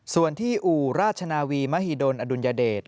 ส่วนที่อู่ราชนาวีมหิดลอดุลยเดช